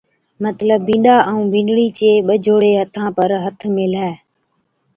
مطلب بِينڏا ائُون بِينڏڙِي چي ٻجھوڙي ھٿان پر ھٿ ميلھِي